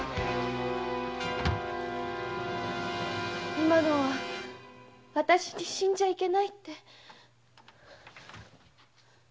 今のはわたしに死んじゃいけないって。